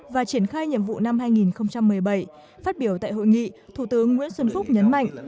và triển khai nhiệm vụ năm hai nghìn một mươi bảy phát biểu tại hội nghị thủ tướng nguyễn xuân phúc nhấn mạnh